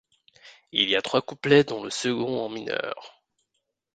Il y a trois couplets dont le second en mineur.